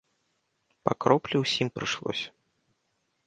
Па кроплі ўсім прыйшлося.